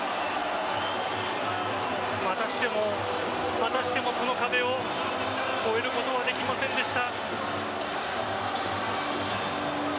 またしてもこの壁を越えることができませんでした。